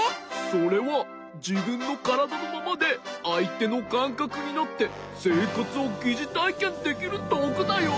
それはじぶんのからだのままであいてのかんかくになってせいかつをぎじたいけんできるどうぐだよ。